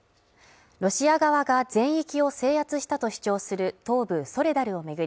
ロシア側が全域を制圧したと主張する東部ソレダルを巡り